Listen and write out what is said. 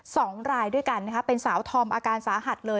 สองรายด้วยกันนะคะเป็นสาวธอมอาการสาหัสเลย